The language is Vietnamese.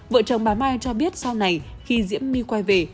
vợ chồng bà mai cho biết sau này khi diễm my quay về